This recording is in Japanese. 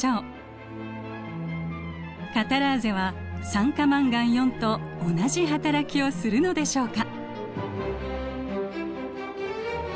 カタラーゼは酸化マンガンと同じはたらきをするのでしょうか？